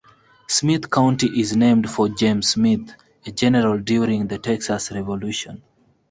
Smith County is named for James Smith, a general during the Texas Revolution.